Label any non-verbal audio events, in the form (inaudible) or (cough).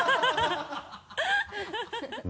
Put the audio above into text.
ハハハ (laughs)